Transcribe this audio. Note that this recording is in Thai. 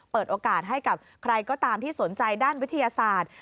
เปิดโอกาสให้กับใครก็ตามที่สนใจด้านวิทยาศาสตร์